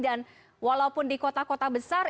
dan walaupun di kota kota besar